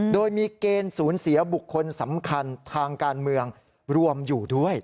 โดยมีเกณฑ์สูญเสียบุคคลสำคัญทางการเมืองรวมอยู่ด้วย